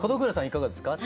いかがですか？